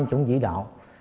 cũng chỉ đạo